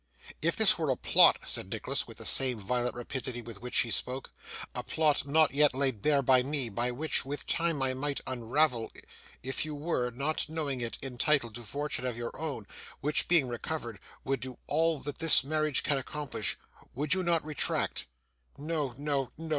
'If this were a plot,' said Nicholas, with the same violent rapidity with which she spoke, 'a plot, not yet laid bare by me, but which, with time, I might unravel; if you were (not knowing it) entitled to fortune of your own, which, being recovered, would do all that this marriage can accomplish, would you not retract?' 'No, no, no!